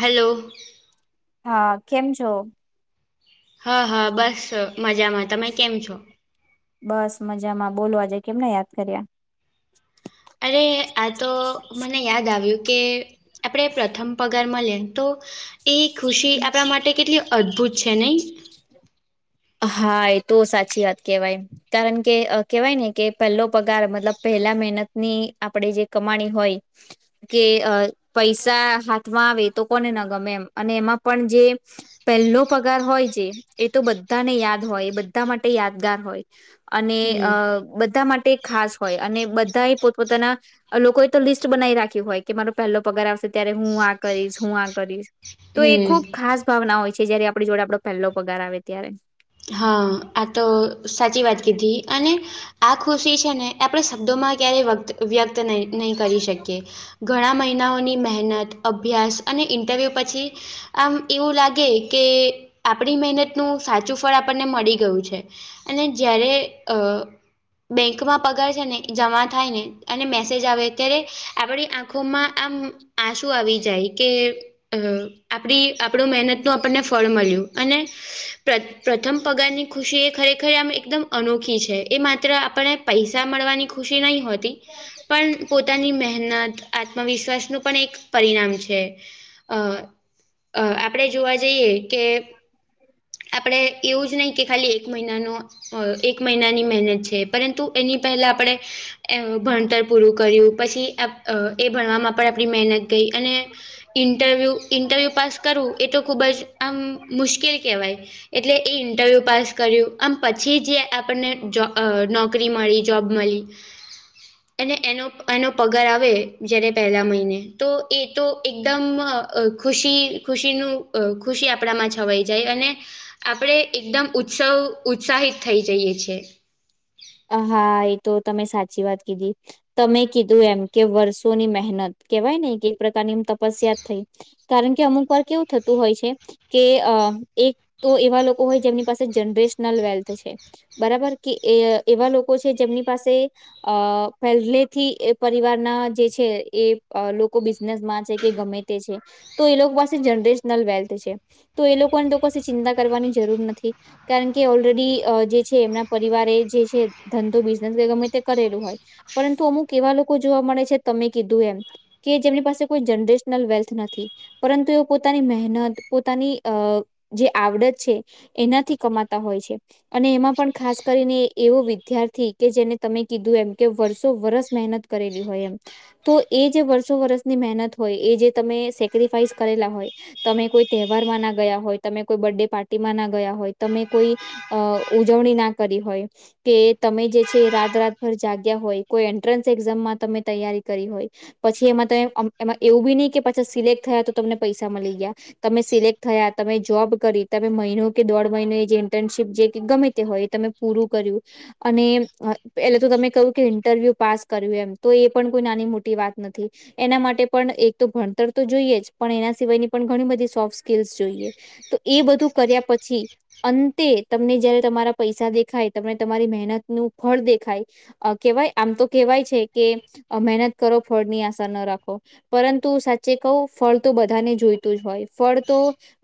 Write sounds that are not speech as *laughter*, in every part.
Hello હા, કેમ છો? હા હા બસ મજામાં, તમે કેમ છો? બસ મજામાં બોલો આજે કેમના યાદ કર્યા? અરે આતો મને યાદ આવ્યું કે આપડે પ્રથમ પગાર મલે તો એ ખુશી આપણા માટે કેટલી અદ્ભુત છે નહીં. હા એ તો સાચી વાત કેવાય. કારણ કે કેહેવાય ને કે પહેલો પગાર મતલબ પહેલા મહેનતન આપણે જે કમાણી હોય. કે પૈસા હાથમાં આવે તો કોને ન ગમે અને એમાં પણ જે. પહેલો પગાર હોય જે એ તો બધ બધાને યાદ હોય બધા માટે યાદગાર હોય અને હમ અ બધા માટે. ખાસ હોય અને બધા એ પોતપોતાના. લોકોએ તો લિસ્ટ બનાવી રાખ્યું હોય કે મારો પહેલો પગાર આવશે ત્યારે હું આ કરીશ હું આ કરીશ. તો એ હમ ખુબ ખાસ ભાવના હોય છે જયારે આપણી જોડે આપડો પહેલો પગાર આવે ત્યારે. હા આ તો સાચી વાત કીધી અને. આ ખુશી છે ને આપણે શબ્દો માં ક્યારેય વત વ્યક્ત નહી કરી શકીએ. ઘણા મહિનાઓની મહેનત અભ્યાસ અને ઇન્ટરવ્યૂ પછી. આમ એવું લાગે કે આપણી મહેનતનુ સાચું. ફળ આપણને મળી ગયું છે અને જયારે અ. બેંકમાં પગાર છે ને એ જમા થાય ને. અને મેસેજ આવે ત્યારે આપણી આંખોમાં આમ આંસુ આવી જાય કે. અ આપણું મહેનત નું આપણને ફળ મળ્યું અને પ પ્રથમ પગારની ખુશી એ ખરેખર આમ એકદમ અનોખી છે એ માત્ર આપને પૈસા મળવાની ખુશી નહીં હોત. પણ પોતાની મહેનત. આત્મવિશ્વાસનું પણ એક પરિણામ છે અ અ આપડે જોવા જઈએ કે. આપણે. એવું જ નહી કે ખાલી એક મહિનાનો અ એક મહિનાની મહેનત છે પરંતુ એની પહેલા આપડે એ ભણતર પૂરું કર્યું પછી આપ એપ એ ભણવામાં પણ આપણી મહેનત ગઈ અને ઇન્ટરવ્યુ, ઇન્ટરવ્યુ પાસ કરવું એ તો ખુબ જ આમ મુશ્કેલ કહેવાય. એટલે એ ઇન્ટરવ્યૂ પાસ કર્યું આમ પછી જે આપણને જો નોકરી મળી જોબ મળી. *inaudible* અને એનો એનો પગાર આવે જ્યારે પહેલા મહિને તો એ તો એકદમ અ ખુશી ખુશીનું ખુશી આપણામાં છવાઈ જાય અને આપણે એકદમ ઉત્સવ ઉત્સાહિત થઈ જઈએ છીએ. હા, એ તો તમે સાચી વાત કીધી. તમે કીધું એમ કે વર્ષોની મહેનત કેવાય ને કે એ પ્રકારની એમ તપસ્યા થઈ. કારણ કે અમુકવાર કેવું થતું હોય છે કે અ એક તો એવા લોકો હોય જેમની પાસે જનરેશનલ વેલ્થ છે. બરાબર કે એવા લોકો છે જેમની પાસે અ પહેલેથી એ પરિવારના જે છે એ લોકો બિઝનેસમાં છે કે ગમે તે છે તો એ લોકો પાસે જનરેશનલ વેલ્થ છે. તો એ લોકોન તો કશી ચિંતા કરવાની જરૂર નથી. કારણ કે ઓલરેડી અ જે છે એમના પરિવારે એ જે કે ધંધો બિઝનેસ ગમે તે કરેલું હોય. પરંતુ અમુક એવા લોકો જોવા મળે છે તમે કીધું એમ, કે જેમની પાસે કોઈ જનરેશનલ વેલ્થ નથી પરંતુ એ પોતાની મહેનત પોતાની અ જે આવડત છે એનાથી કમાતા હોય છે અને એમાં પણ ખાસ કરીને, એવો વિદ્યાર્થી કે જેને તમે કીધું એમ કે વર્ષો વરસ મહેનત કરેલી હોય એમ. તો એ જે વર્ષો વર્સની મહેનત હોય એ જે તમે સેક્રિફાઈસ કરેલા હોય, તમે કોઈ તહેવારમાં ના ગયા હોય તમે કોઈ બર્થ ડે પાર્ટીમાં ના ગયા હોય તમે કોઈ, અ ઉજવણી ના કરી હોય. કે તમે જે છે રાત-રાતભર જાગ્યા હોય કોઈ એન્ટ્રન્સ એક્ઝામમાં તમે તૈયારી કરી હોય. પછી એમાં તમે આમ એમાં એવું બી નહિ કે પાછા સિલેક્ટ થયા તો તમને પૈસા મલી ગયા, તમે સિલેક્ટ થયા તમે જોબ કરી તમે મહિનો કે દોઢ મહિનો એ જે ઇન્ટર્નશીપ જે ગમે તે હોય તમે પૂરું કર્યું. અને અ પેલે તો તમે કહ્યું કે ઇન્ટરવ્યુ પાસ કર્યું એમ તો એ પણ કોઈ નાની મોટી વાત નથી. એના માટે પણ એક તો ભણતર તો જોઈએ જ પણ એના સિવાયની પણ ઘણી બધી સોફ્ટ સ્કીલ્સ જોઈએ. તો એ બધું કર્યા પછી અંતે તમને જયારે તમારા પૈસા દેખાય, તમને તમારી મહેનતનું ફળ દેખાય, અ કેવાય આમ તો કેવાય છે કે મહેનત કરો ફળની આશા ન રાખો. પરંતુ સાચે કહું ફળતો બધાને જોઈતું જ હોય ફળ તો,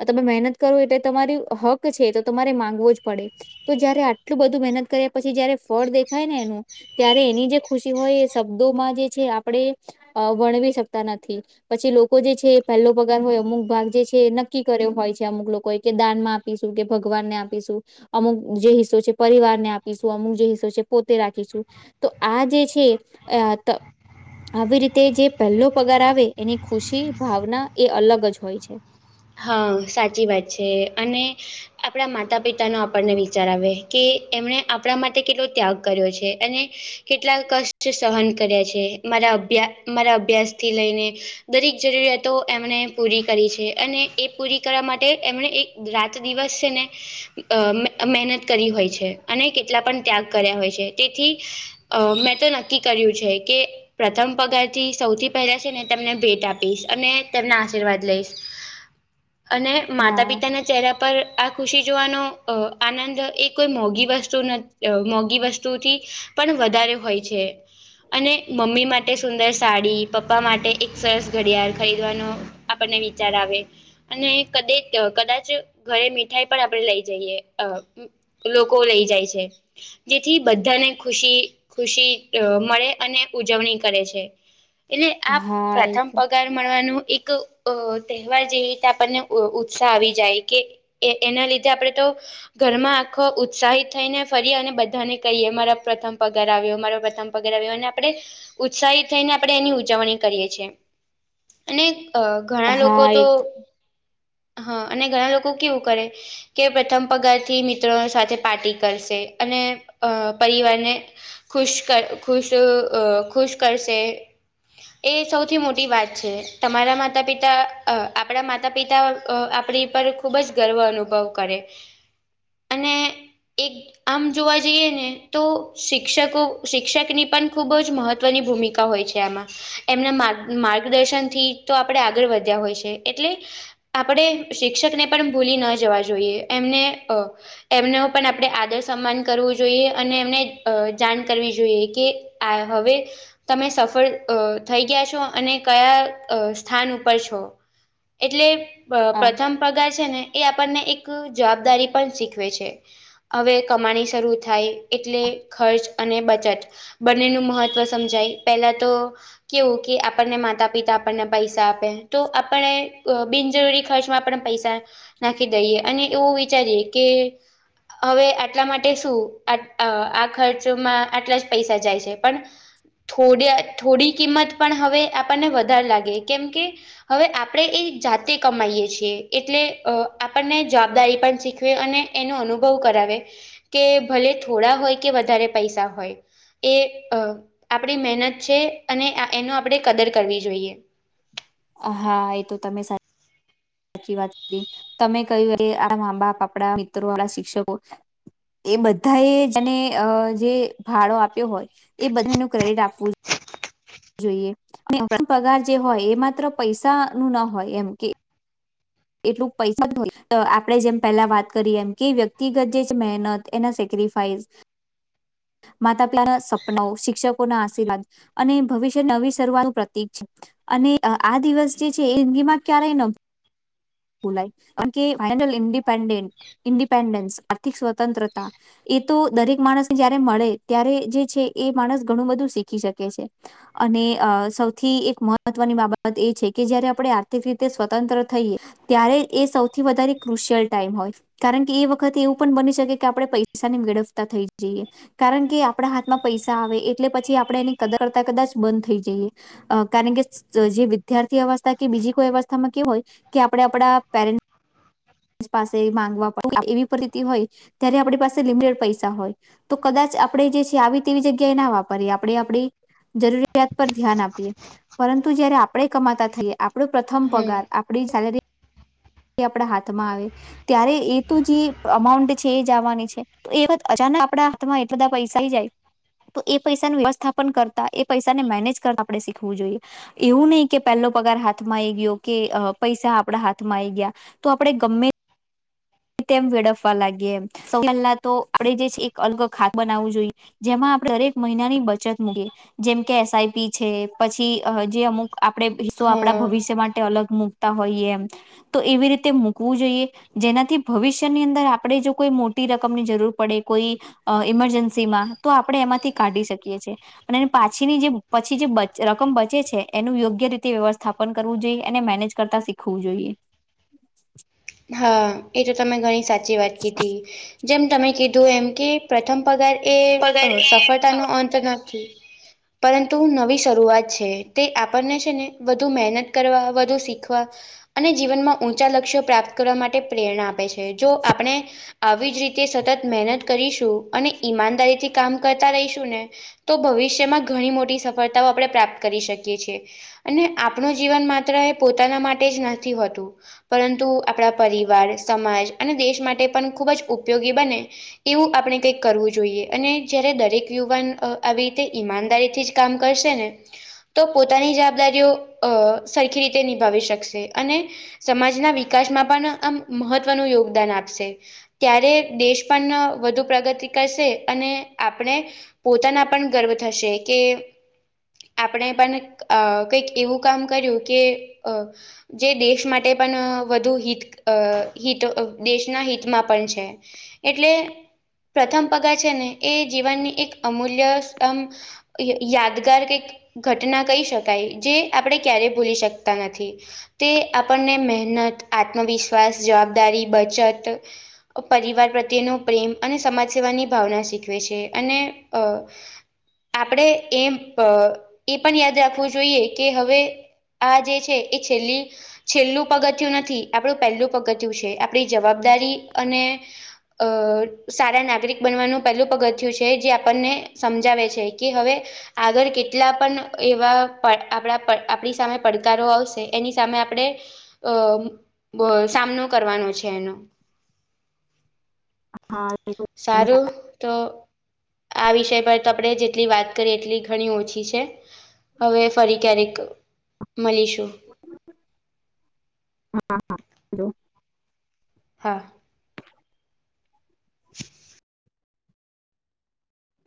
તમે મહેનત કરો એટલે તમારી હક છે એતો તમારે માંગવો જ પડે તો જયારે આ ટલું બધું મહેનત કર્યા પછી જયારે ફળ દેખાયને એનું, ત્યારે એની જે ખુશી હોય એ શબ્દોમાં જે છે આપડે વર્ણવી શકતા નથી. પછી લોકો જે છે એ પહેલો પગાર હોય અમુક ભાગ જે છે નક્કી કર્યો હોય છે અમુક લોકોએ કે દાનમાં આપીશું કે ભગવાનને આપીશું અમુક જે હિસ્સો છે પરિવારને આપીશું અમુક જે હિસ્સો છે પોતે રાખીશું તો આ જે છે *unintelligible* આવી રીતે જે પહેલો પગાર આવે એની ખુશી, ભાવના એ અલગ જ હોય છે. હા, સાચી વાત છે અને આપડા માતા-પિતાનો આપણને વિચાર આવે કે એમણે આપડા માટે કેટલો ત્યાગ કર્યો છે અને કેટલા કષ્ટ સહન કર્યા છે મારા અભ્યા મારા અભ્યાસથી લઈને દરેક જરૂરિયાતો એમણે પૂરી કરી છે અને એ પૂરી કરવા માટે એમને એક રાત દિવસ છેને અ મે-મહેનત કરી હોય છે અને કેટલા પણ ત્યાગ કર્યા હોય છે, તેથી અ મેં તો નક્કી કર્યું છે કે, પ્રથમ પગારથી સૌથી પહેલા છે, ને તેમને ભેટ આપીશ અને તેમના આશીર્વાદ લઈશ. અને હા માતા-પિતાના ચહેરા પર આ ખુશી જોવાનો અઆનંદ એક કોઈ મોઘી વસ્તુ ન અ મોઘી વસ્તુથી પણ વધારે હોય છે, અને મમ્મી માટે સુંદર સાડી પપ્પા માટે એક સરસ ઘડિયાળ ખરીદવાનો આપણને વિચાર આવે. અને કદે-કદાચ ઘરે મીઠાઈ પણ આપણેે લઈ જઈએ. એ લોકો લઈ જાય છે, જેથી બધાને ખુશી ખુશી મળે અને ઉજવણી કરે છે એટલે આ હા એ પ્રથમ પગ તો ઉપરકાર મળવાનું એક અ તહેવાર જેવી આપણને ઉ-ઉત્સાહ આવી જાય કે એ એના લીધે આપણે તો ઘરમાં આખો ઉત્સાહિત થઈને ફરીએ અને બધાને કહીએ મારો પ્રથમ પગાર આવ્યો મારો પ્રથમ પગાર આવ્યો અને આપડે ઉત્સાહિત થઈને આપણે એની ઉજવણી કરીએ છીએ. અને અ ઘણા લોકો હા તો એ હા અને ઘણા લોકો કેવું કરે કે પ્રથમ પગારથી મિત્રો સાથે પાર્ટી કરશે અને અ પરિવારને ખુશ કર ખુશ અ ખુશ કરશે. એ સૌથી મોટી વાત છે, તમારા માતા-પિતા અ આપડા મા તા-પિતા અ આપડી પર ખૂબ જ ગર્વ અનુભવ કરે. અને એક આમ જોવા જઈએ ને તો શિક્ષક શિક્ષકની પણ ખૂબ જ મહત્વની ભૂમિકા હોય છે આમાં. એમના માર્ગ-માર્ગદર્શનથી તો આપડે આગળ વધ્યા હોય છે, એટલે આપડે પણ શિક્ષકને પણ ભૂલી ન જવા જોઈએ એમને અ એમનો પણ આપડે આદર-સન્માન કરવું જોઈએ અને એમને જાણ કરવી જોઈએ કે, આ હવે તમે સફળ અહ થઈ ગયા છો અને કયા અહ સ્થાન ઉપર છો. એટલે પ્રથમ પગાર છે, ને એ આપણને એક જવાબદારી પણ શીખવે છે. અવે કમાણી શરૂ થાય એટલે ખર્ચ અને બચત બંનેનું મહત્વ સમજાય પેલા તો કેવું કે આપણને માતા-પિતા આપણને પૈસા આપે તો આપણે અહ બિનજરૂરી ખર્ચમાં આપડે પૈસા નાખી દઈએ અને એવું વિચારીએ કે હવે આટલા માટે શું આ અહ ખર્ચમાં આટલા જ પૈસા જાય છે પણ થોડ થોડી કિંમત પણ હવે આપણને વધારે લાગે કેમ કે હવે આપણે એ જાતે કમાઈએ છીએ એટલે અહ આપણને જવાબદારી પણ શીખ વે અને એનો અનુભવ કરાવે કે ભલે થોડા હોય કે વધારે પૈસા હોય એ અહ આપણી મહેનત છે અને અ એનો આપણે કદર કરવી જોઈએ. હા એ તો તમે સા સાચી વાત કહી તમે કહ્યું કે આ મા-બાપ આપડા મિત્રો આપણા શિક્ષકો એ બધાયે જેને અહ જે ફાળો આપ્યો હોય એ બધાયનુ ક્રેડિટ આપવું જોઈએ અને આપડું પગાર જે હોય એ માત્ર પૈસા નું ન હોય એમ કે એટલું પૈસા *inaudible* આપણે જેમ પહેલાં વાત કરીએ એમ કે વ્યક્તિગત જે મહેનત એનાં સેક્રિફાઈસ *inaudible* માતા પિતાનાં સપનાઓ શિક્ષકોના આશીર્વાદ અને ભવિષ્યની નવી શરૂઆતનું પ્રતિક છે. અને અહ આ આ દિવસ જે છે એ જિંદગીમાં ક્યારેય ન ભુલાય કારણ કે ફાઇનલ ઇન્પેન્ડેડ ઇન્પેન્ડન્સ આર્થિક સ્વતંત્રતા એ તો દરેક માણસને જયારે મળે ત્યારે જે છે. એ માણસ ઘણું બધું શીખી શકે છે. અને અહ સૌથી એક મહત્વની બાબત એ છે કે જયારે આપણે આર્થિક રીતે સ્વતંત્ર થઈએ ત્યારે એ સૌથી વધારે ક્રુશિયલ ટાઈમ હોય કારણ કે એ વખતે એવું પણ બની શકે કે આપણે પૈસાને વેળફતા થઈ જઈએ. કારણ કે આપણાં હાથમાં પૈસા આવે એટલે પછી આપણે એની કદર કરતાં કદાચ બંધ થઈ જઈએ. અહ કારણ કે સ જે વિદ્યાર્થી અવસ્થા કે બીજી કોઈ અવસ્થામાં કેવું હોય કે આપણે આપડા પેરેન્ટ સ પાસે માંગવા *inaudible* એવી પરિસ્થિતિ હોય ત્યારે આપણી પાસે લિમિટેડ પૈસા હોય. તો કદાચ આપણે જે છે આવી તેવી જગ્યાએ ના વાપરીએ આપણે આપણી જરૂરિયાત પર ધ્યાન આપીએ પરંતુ જયારે આપણે કમાતાં થઈએ આપણો પ્રથમ હમ પગાર આપણી સેલેરી એ આપડા હાથમાં આવે ત્યારે એ તો જે અમાઉન્ટ છે એજ આવવાની છે. તો એ *inaudible* અચાનક આપણાં હાથમાં એટલા બધાં પૈસા આઈ જાય તો એ પૈસાનું વ્યવસ્થાપન કરતાં એ પૈસાને મેનેજ કરતાં આપણે શીખવું જોઈએ. એવું નહીં કે પહેલો પગાર હાથમાં આઈ ગ્યો કે અહ પૈસા આપણાં હાથમાં આઈ ગ્યા તો આપણે ગમે તેમ વેડફવા લાગીયે એમ સૌથી પહેલા તો આપડે જે છે એક અલગ ખાતું બનાવવું જોઈએ જેમાં આપણે દરેક મહિનાની બચત મુકીયે. જેમ કે એસ આઈ પી છે પછી અહ જે અમુક આપણે હિસ્સો આપણાં હા ભવિષ્ય માટે અલગ મુક તા હોઈએ એમ તો એવી રીતે મૂકવું જોઈએ જેનાથી ભવિષ્યની અંદર આપણે જો કોઈ મોટી રકમની જરૂર પડે કોઈ અહ ઈમરજન્સી માં તો આપણે એમાંથી કાઢી શકીએ છીએ. પણ એ પાછીની જે પછી જે બચ રકમ બચે છે એનું યોગ્ય રીતે વ્યવસ્થાપન કરવું જોઈએ એને મેનેજ કરતા શીખવું જોઈએ. હાં એ તો તમે ઘણી સાચી વાત કીધી જેમ તમે કીધું એમ કે પ્રથમ પગાર એ પગાર અ એ સફળતાનો અંત નથી. પરંતુ નવી શરૂઆત છે. તે આપણને છે ને વધુ મહેનત કરવા વધુ શીખવા અને જીવનમાં ઊંચા લક્ષ્યો પ્રાપ્ત કરવા માટે પ્રેરણા આપે છે. જો આપણે આવી જ રીતે સતત મહેનત કરીશું અને ઈમાનદારીથી કામ કરતાં રહીશું ને તો ભવિષ્યમાં ઘણી મોટી સફળતાઓ આપણે પ્રાપ્ત કરી શકીએ છીએ અને આપણું જીવન માત્ર એ પોતાના માટે જ નથી હોતું પરંતુ આપણાં પરિવાર સમાજ અને દેશ માટે પણ ખૂબ જ ઉપયોગી બને એવું આપણે કંઈક કરવું જોઈએ અને જયારે દરેક યુવાન આવી રીતે ઈમાનદારીથી જ કામ કરશે ને તો પોતાની જવાબદારીઓ અ સરખી રીતે નિભાવી શકશે અને સમાજનાં વિકાસમાં પણ આમ મહત્વનું યોગદાન આપશે ત્યારે દેશ પન વધુ પ્રગતિ કરશે અને આપણે પોતાનાં પણ ગર્વ થશે કે આપણે પણ અ કંઈક એવું કામ કર્યું કે અ જે દેશ માટે પન અહ વધુ હિત અહ હિત દેશના હિતમાં પણ છે. એટલે પ્રથમ પગાર છે ને, એ જીવનની એક અમૂલ્ય *unintelligible* ય યાદગાર કંઈક ઘટના કહી શકાય. જે આપણે ક્યારેય ભૂલી શકતા નથી. તે આપણને મહેનત, આત્મવિશ્વાસ, જવાબદારી, બચત અહ પરિવાર પ્રત્યેનો પ્રેમ અને સમાજ સેવાની ભાવના શીખવે છે. અને અહ આપણે એમ પહ એ પણ યાદ રાખવું જોઈએ, કે હવે આ જે છે એ છેલ્લી છેલ્લું પગથિયું નથ થી. આપણું પહેલું પગથિયું છે. આપણી જવાબદારી અને અહ સારા નાગરિક બનવાનું પહેલું પગથિયું છે, જે આપણને સમજાવે છે, કે હવે આગળ કેટલા પણ એવા પડ આપણા પડ આપણી સામે પડકારો આવશે, એની સામે આપણે અહ સામનો કરવાનો છે એનો. હા *inaudible* સારું તો આ વિષય પર તો આપણે જેટલી વાત કરીએ એટલી ઘણી ઓછી છે. હવે ફરી ક્યારેક મલીશું. હા, હા. *unintelligible* હા. *inaudible*